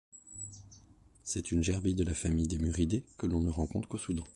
C'est une gerbille de la famille des Muridés que l'on ne rencontre qu'au Soudan.